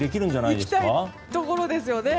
いきたいところですよね。